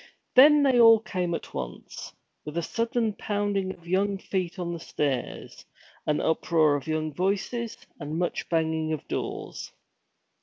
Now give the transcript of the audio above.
Then they all came at once, with a sudden pounding of young feet on the stairs, an uproar of young voices, and much banging of doors.